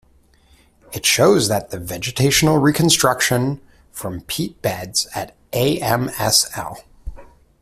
It shows that the vegetational reconstruction from peat beds at a.m.s.l.